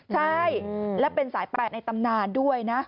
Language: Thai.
ใช่และเป็นสาย๘ในตำนานด้วยนะ